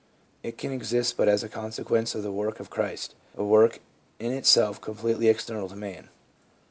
It can exist but as a consequence of the work of Christ, a work in itself com pletely external to man.